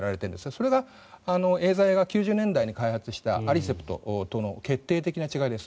それがエーザイが１９９０年代に開発したアリセプトとの決定的な違いです。